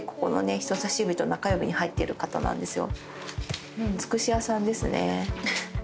人さし指と中指に入っている方なんですよ。